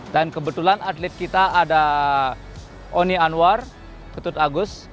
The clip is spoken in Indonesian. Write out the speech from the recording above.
dan kebetulan atlet kita ada oni anwar ketut agus